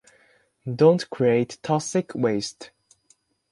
Don’t create toxic waste.